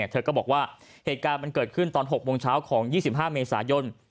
เธอก็บอกว่าเหตุการณ์มันเกิดขึ้นตอน๖โมงเช้าของ๒๕เมษายน